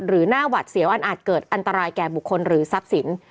หน้าหวัดเสียวอันอาจเกิดอันตรายแก่บุคคลหรือทรัพย์สิน